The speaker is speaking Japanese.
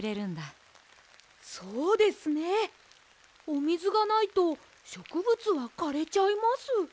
おみずがないとしょくぶつはかれちゃいます！